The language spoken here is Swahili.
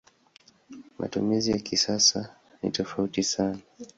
Matumizi ya kisasa ni tofauti sana.